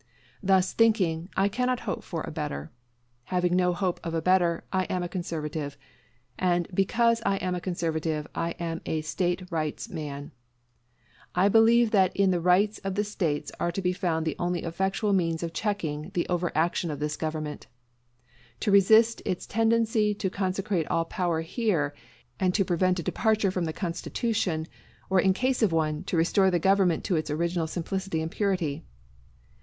Thus thinking, I cannot hope for a better. Having no hope of a better, I am a conservative; and because I am a conservative, I am a State Rights man. I believe that in the rights of the States are to be found the only effectual means of checking the overaction of this government; to resist its tendency to concentrate all power here, and to prevent a departure from the Constitution; or in case of one, to restore the government to its original simplicity and purity.